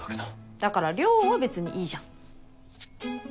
だから稜は別にいいじゃん。